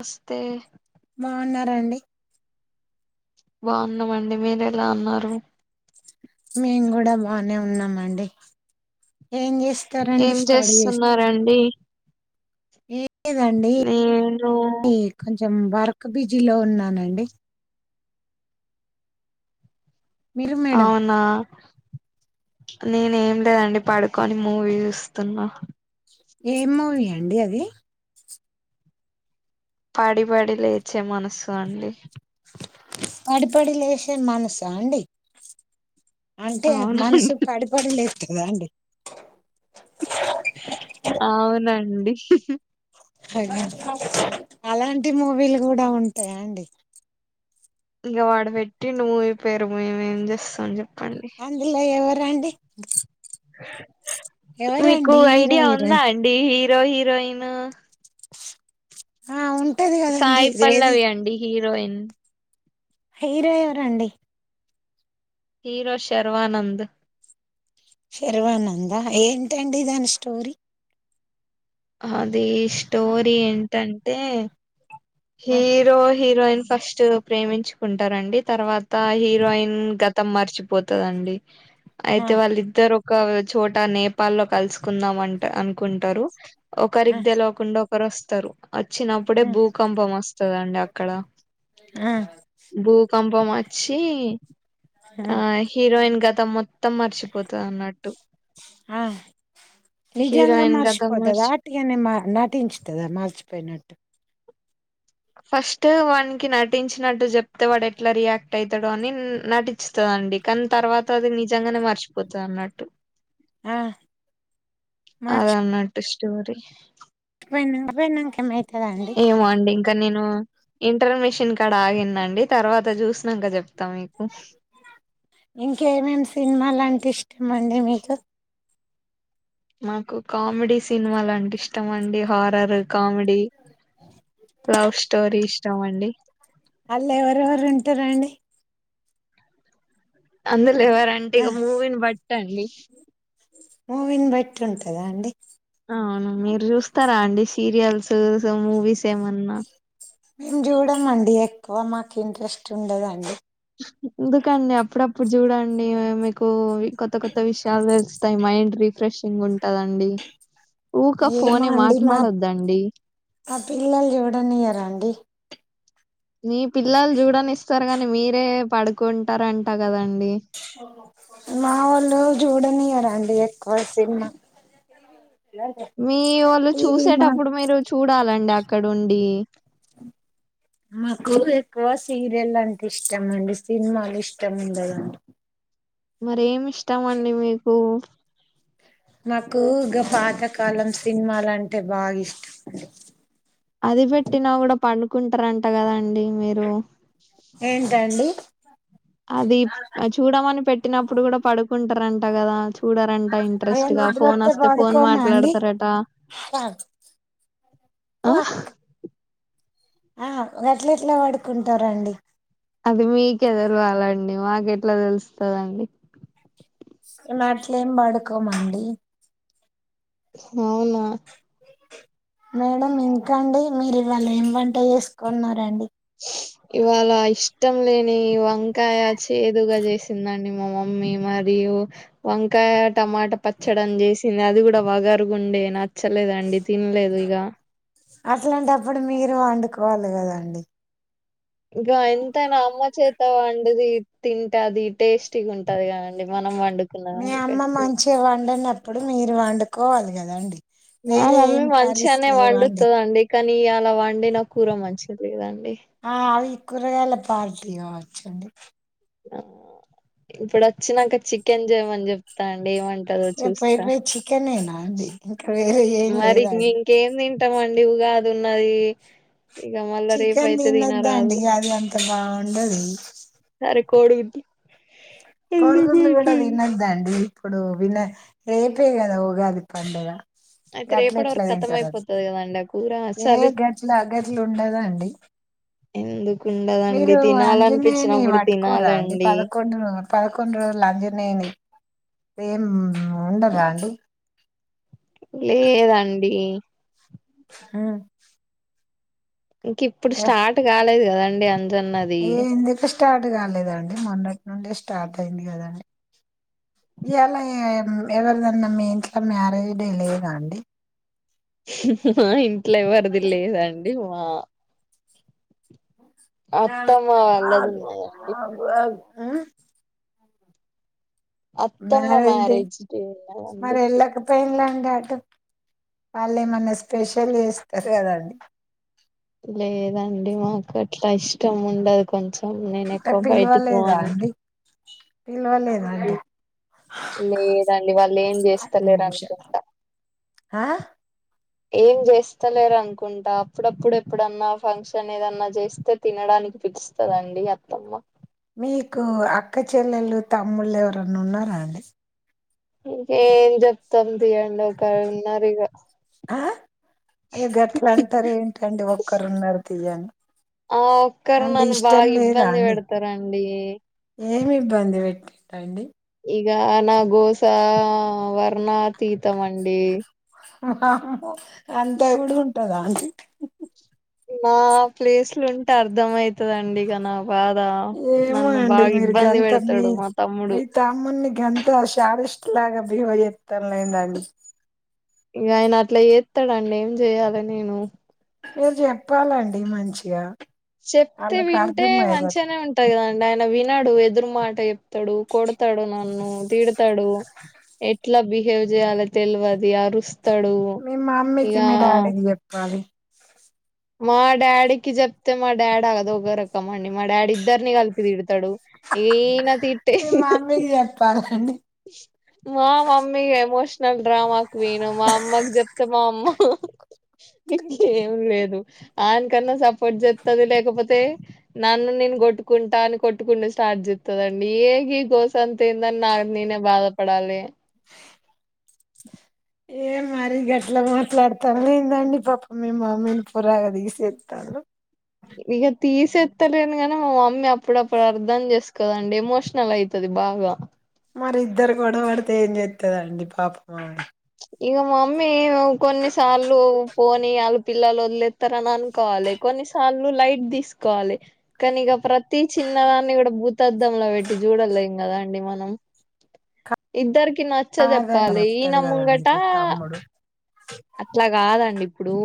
వస్తే బాగున్నారాండి బాగున్నామండి మీరు ఎలా అన్నారు నే ఉన్నాం అండి ఏం చే ఏం చేస్తున్నారండి ఏదండి నేను కొంచెం బరక్ క బిజిలో ఉన్నానండి మీరు మేడం అవునా నేనే ఏం లేదండి పడుకొని మూవీ చుస్తున్నా ఏం మూవీ అండి అది పడి పడి లేచే మనసు అండి పడి పడి లేచే మనస అండి అంటే మనసు అవునండి పడిపడి లే కాదా అండి అవునండి అయినా అలాంటి మూవీలు కూడా ఉంటాయా అండి ఇంక వాడు పెట్టిండు మూవీ పేరు మేమ ఏం చేస్తా చె అందులో ఎవరు రండి ే మీకు హీరో ఐడియా ఉందా హీరోయిన్ అండి హిరో హిరోయిన్ ఆ అవును సాయి పల్లవి అండి. హిరోయిన్ హీరో ఎవరండి హీరో శర్వానంద్. శర్వానంద ఏంటండి దాని స్టోరీ. అ ద స్టోరీ ఏం ఏంటంటే ఆ హీరో హీరోయిన్ ఫస్ట్ ప్రేమించుకుంటారండి తర్వాత హీరోయిన్ గతం మర్చిపోతదండి. ఆ అయితే వాళ్ళిద్దరు. చోటా నేపాల్ లో కలుసుకుందాం అంట అనుకుంటారు. ఆ ఒకరికి తెలివకుండా ఒకరస్తరు. వచ్చినప్పుడే, ఆ భూకంపం వస్తుందండి అక్కడ ఆ భూకంపం వచ్చి ఆ హీరోయిన్ గతం మొత్త ఆ నిజంగా హీరోయిన్ గతం మర్చిపోతుందా. మర్చి అట్టిగానే నటించుతుందా మర్చిపోయినట్టు ఫస్ట్ వాడినికి నటించినట్టు చెప్తే వాడు ఎట్లా రియాక్ట్ అవుతాడు అని నటించుతందండి. కానీ తర్వాత అది నిజంగానే మర్చిపోతుంది అన్నట్టు ఆ మర్చి స్టోరి కమ [unintelligible] ఏమోండి ఇంకా నేను ఇంటర్ మిషిన్ కడ ఆగిందండి. తర్వాత చూసినక ఇంకేమేం సినిమా లాంటే మండి మీకు మాకు కామెడీ సినిమాలంటే ఇష్టం అండి హారర్. కామెడి లవ్ స్టోరి ఇ ఇష్టమండి. అళ్లా ఎవరెవరు ఉంటారండి. అందులో ఎవరంటే ఆ ఇక మూవీని బట్టి అండి మూవీని బట్టి ఉంటదా అండి. అవును మీరు చూస్తారు. అండి సీరియల్స్ మూవీస్ ఏమన్నా మేము చూడమండి ఎక్కువ మాకు ఇంట్రెస్ట్ ఉండదండి. ఎందుకండి అప్పుడప్పుడు చూడండి. మీకు కొత్త కొత్త విషయాలు తెలుస్తాయి మైండ్ రిఫ్రెషింగ్ ఉంటందండి. ఏమో అండి మాప్ మా పిల్లల్ జూడనియరండి నీ పిల్లల్ జూడనిస్తా గాని మీరే పడుకుం మా వొళ్ళు చూడనియరండి ఎక్కువ సిన్మా మీ వోళ్ళు చూసేటప్పుడు మీరు చూడాలండి అ క్కడుండి మాకు ఎక్కువ సీరియల్లంటె ఇష్టమండి సినిమాలిష్టముండదు మరేమి ష్టమండి మీకు నాకు గ పాతకాలం సిన్మాలంటే బాగిష్టం అది పెట్టినా గూడా పనుకుంటరంట గదండి మీరు ఏంటండి అది చూడమని పెట్టినప్పుడు గుడ పడుకుంటరంట గదా, చూడరంట ఏ ఇంట్రెస్ట్గా ఫోన్ నిద్రొత్తే వస్తే ఫోన్ పడుకోమా అండి మాట్లాడతరట. ఆ ఆ గట్లెట్ల బడుకుంటరండి అది మీకే దెలవాలండి మాకెట్ల తెలుస్తదండి మేమట్లేం బడుకోమండి అవునా మేడం ఇంకండి మీరు ఇవాళ ఏం వంట చేసుకున్నరండి ఇవాళాయిష్ ఇష్టం లేని వంకాయ చేదుగా చేసిందండి మా మమ్మీ మరియు వంకాయ టమాట పచ్చడం చేసింది అది గుడ వగరుగుండే న చ్చలేదండి తిన్లేదిగ అట్లాంటప్పుడు మీరు వండుకోవాలి గదండి ఇంకా ఎంతైనా అమ్మ చేత వండుది తింటది టేస్టీగుంటది కా మీ అమ్మ మంచిగా వండన ప్పుడు మీరు వండుకోవాలి గదండి మా మమ్మీ మంచిగానే అండి వండుతుదండి కా నీయాలా వండిన కూర [unintelligible] ఆ అవి కూరగాయల పార్టీ గావచ్చండి ఇప్పుడొచ్చినంక చికెన్ చేయమని చెప్తా అండి ఏమంట్ ఏ పొయ్ పొయ్ చికెనేనా అండి ఇంక మరి మింకేమిన్ చట్టమండిగాది ఉన్నది ఇక మళ్ళా చికెన్ రేపయితే తినద్ద తినరాదు అండి అది అంత బాగుండది కోడుగుడ్డు కోడి గుడ్లు తినొదండి అండి ఇప్పుడు విన రేపే కదా ఉగాది పడుగ అయితే గట్లు రేపటి ఎట్లా వరకు కతం తింటారు అది అయిపోతది కదండి ఆ కూర ఏ గట్లు అ గట్లు ఉండదా అండి ఎందుకుండదండి అంజనేయుని తినాలనిపించినప్పుడు పట్టుకోరా అండి తినాలండి పదకొండు పదకొండు రోజులు అంజనేని ఏం ఉండదా అండి లేదండి ఆ ఇంక ఇప్పుడు స్టార్ట్ కాలేదు కదా డి అ అన్నది ఎందుకు స్టార్ట్ కాలేదండి మొన్నటి నుండడి స్టార్ట్ అయింది కదండి ఇలా ఎవరిదనా మీ ఇంట్లో మ్యారేజ్ డే లేద అండి మా ఇంట్లో వరిది లేదండి మా అత్తమ్మ వాళ్ళది ఉన్నదండి ఆ అత్తమ్మ అన్నరే మ్యారేజ్ డే మర ఉన్నదండి ఎళక పనలా ట వాళ్ళు ఏమన్నా స్పెషల్ చేస్తారు కదండి లేదండి మాకు అట్లా ఇష్టం ఉండదు కొంచెం అన్నన అంటే ఎకు బయటి పిలవలేదా పోవను అండి పిలవలేదా అండి లేదండి వాళ్ళు ఏం ఐదు చేస్తలేరు నిమిషాలు అనుకుంటా ఆ ఏం చేస్తలేరు అనుకుంటా అప్పుడప్పుడు ఎప్పుడన్నా ఫంక్షన్ ఏదన్నా చేస్తే తినడానికి పిలుస్తదండి అత్తమ్మ మీకు అక్క చెల్లెళలు తమ్ముళ్ళ ఎవరన్నా ఉన్నారా అండి ఇంకేం చెప్తాం ియం లో కా ఉన్నారు ఇక ఆ అయ్య గట్లా అంటారు ఏంటండి ఒక్కరు ఉన్నారు తీ అను ఆ ఒక్కరు నన్ను బాగా లేదా ఇబ్బంది అండి పెడతారంండి అండి ఇగ నా గోస వర్ణ తీీతమండడి ఆ అంతా కూడా ఉంటదా నా ప్లేస్ లో ఉంటే అర్ధమయితు ఏమో నన్ను అండి బాగా మీరు ఇబ్బంది గంత మీ పెడతాడు మా తమ్ముడు మీ తామ్ముని గంత శాలస్ట్ లాగా ఇవే [unintelligible] ఎత్తలెండండి ఇక ఆయన అట్లా చేస్తాడండి ఏం చెయాలి నేను మీరు చెప్పాలండి మంచిగా చెప్తే వాళ్ళకి వింటే అర్థమయ్యేటట్టు మంచిగానే ఉంటాయి కదా ఆయన విన్నాడు ఎదురు మాట చెప్తాడు, కొడతాడు, నన్ను తిడతాడు, ఎట్లా బిహేవ్ చేయాలి తెలియది అరుస్ మీ మమేకి మి డాడి కి చెప్పాలి మా డాడీకి జబ్తే మా డాడ అదోగర క్కమ్మండి మా డాడ్ ఇద్దరిని కలిపి ఇడతాడు ఏన త ఇట్టే మీ మమ్మీకి చెప్పాలండి మా మమ్మీ ఎమోషనల్ డ్రామాకు క్వీన్ మా అమ్మకి చెప్తా మామ్ ఇంకేం లేదు ఆయనకన్నా సపోర్ట్ చేస్తుంది లేకపోతే, నన్ను నేను కొట్టుకుంటా అని కొట్టుకుంటే స్టార్ట్ చెస్తదండి, ఏగి గోసంత ఏందని నా నేనే బాధ పడాలి ఏ మరి గట్లా మాట్లాడతాను లేందండి పాప మే మామ్మీని పురాగా దిసెల్తాళ్ళు ఇక తీసెత్తలేను గానీ, మా మమ్మీ అప్పుడప్పుడు అర్ధం చేసుకోదండి ఎమోషనల్ అయితది బాగా మరి ఇద్దరు కూడా పడితే ఏం చెస్తుందండి పాప మామ ఇక మా మమ్మీ కొన్నిసార్లు పోని అళ్ళు పిల్లలు వదిలేస్తారని అనుకోవాలి, కొన్నిసార్లు లైట్ తీసుకోవాలి కానీ ఇక ప్రతి చిన్నదాన్ని కూడా భూతధంలో పెట్టి చూడలేం కదా అండి మనం ఇద్దర్ కి నచ్చ కాదని చెప్పాలి ఈయన వత్తడు కదండి ముంగట మీ తమ్ముడు అట్లా కాదండి ఇప్పుడు,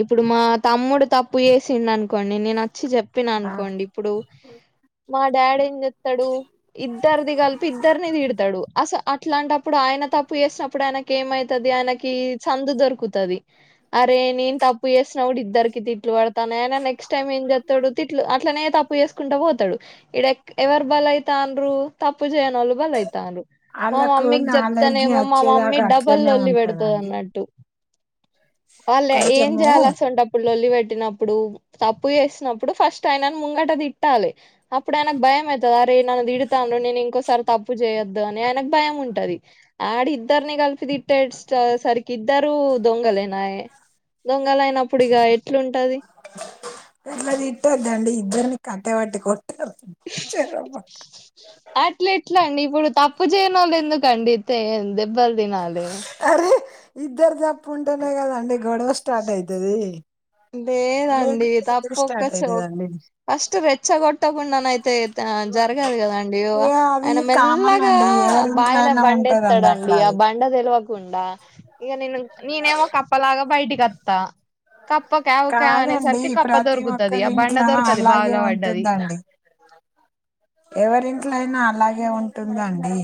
ఇప్పుడు మా తమ్ముడు తప్పు చేసిండు అనుకోండి నేను వచ్చి చెప్ ప్పిన ఆ అనుకోండి ఇప్పుడు మా డాడే స్తాడు ఇద్దరిది కలిపి ఇద్దరిని తిడతాడు అస అట్లాంటప్పుడు ఆయన తప్పు చేసినప్పుడు ఆయనకు ఏమయితది ఆయనకి చందు దొరుకుతుది అరే నేను తప్పు చేస్ డు ఇద్దరికి తిట్లు పడతాను, అయినా నెక్స్ట్ టైమ్ ఏం చెస్తాడు తిట్లు అట్లనే తప్పు చేసుకుంటా పోతాడు ఇ ఎవర్ బల అయితా అండ్రు తప్పు చేయ్ నాళ్ళు బలి అయితండ్రు మ వాళ్ళకు నాలెడ్జి చెబితానేమో మ మమ్మీ వచ్చేదాకా డబల్ అట్లనే పడతాది ఉంటదండి అనట్టు వాళ్ళ ఏం కొంచెము చేయాలస ఉంటేప్పుడు లోల్లి పెట్ పెట్టినప్పుడు తప్పు చేసినప్పుడు ఫస్ట్ అయిన ముంగట తిట్టాలి అప్పుడైన భయం అయితది రె నన్ను దిడతాండు, నేను ఇంకోసారి తప్పు చేయొద్దు అని, ఆనకు భయం ఉంటది ఆడి ఇద్దరిని కలిపి ది స్ సరికిద్దారు దొంగలే నాయ దొంగల అయినప్పుడు ఇక ఎట్లుంటది కట్టే వాటి కొ అట్లా ఎట్లా అండి ఇప్పుడు [unintelligible] ఎందుకు అండి ఇబర్ది నాళే అరే ఇద్దరు తప్పు ఉంటేనే కదా అండి గోడవ స్టార్ట్ అవుతది లేదండి తప్ప ఒక్క చ అయితదండి ఫస్ట్ రెచ్చగొట్టకుండానయితే జరగదు కదండడి ఇగ అది ఆయన కామన్ మెల్లగా అండి ఎవరి ఇంట్లో బావిల అయినా బండ ఉంటదండి ఎత్తాడండి ఆ అట్లాగే బండ తెలివ. కుండా ఇక నేను నేనేమ ఒక అప్పలాగా బయటి గత్త కాదండి ప్రతి దొరుకుతది ఆ బండ ఒక్కరింట్లో దొరకది అలాగే బావిలో పడ్డది ఉంటుందండి ఎవరింట్లో అయినా. అలాగే ఉంటుందండి.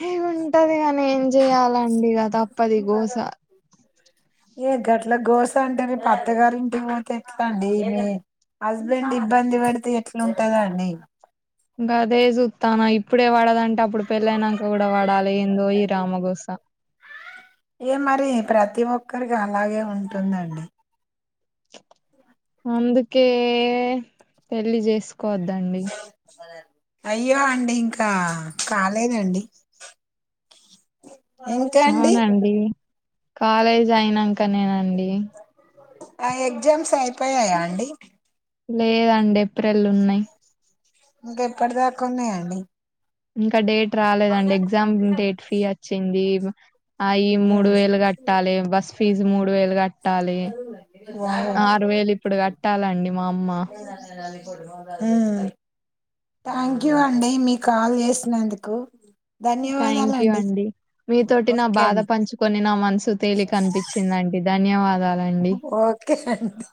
హే ఉంటదిగానీ చేయ్యాలండి తప్పది గోస ఏ గట్ల గోస అంటేనే అత్తగారింటికి పోతే ఎట్లా అండి మీ హస్బెండ్ ఇబ్బంది పెడితే ఎట్లుంటుందండి గదే చూస్తాను ఇప్పుడే వాడదం అంటే అప్పుడు పెళ్ళైనాక కూడా వాడాలి ఏందో ఈ రామగోస. ఇ మరి ప్రతి ఒక్కరికి అలాగే ఉంటుందండి. అందుకే పెళ్లి చేసుకో కోద్దండి అయ్యో అండి ఇంకా కాలేదండి ఇంకా అండి అవునండి కాలేజ్ అయినాక నేనండి. ఆ ఎగ్జామ్స్ అయిపోయాయా అండి లేదండి ఎప్రిల్ ఉన్నాయి ఇంకెప్పటి దాకా ఉన్నాయండి ఇంకా డేట్ రాలేదండి ఎగ్జామ్ డేట్ ఫీ వచ్చింది అవి మూడు ఉమ్ వేలు కట్టాలి బస్ ఫీజ్ మూడు వేలుట్ట. కట్టాలి వావ్. ఆరు వేలు ఇప్పుడు కట్టాలండి మా అమ్మ. థ్యాంక్ అండి మీ కాల్ చేసినందుకు థ్యాంక్ యూ ధన్యవాదాలండి అండి మీతోటి నా ఓకే బాధ అండి పంచుకొని నా మనసు తేలిక అనిపించిందండి ధన్యవాదా. ఓకే అండి